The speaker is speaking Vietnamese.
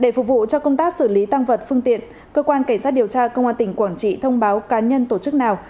để phục vụ cho công tác xử lý tăng vật phương tiện cơ quan cảnh sát điều tra công an tỉnh quảng trị thông báo cá nhân tổ chức nào